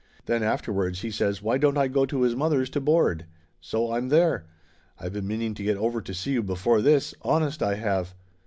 Then after wards he says why don't I go to his mother's to board ? So I'm there. I've been meaning to get over to see you before this, honest I have.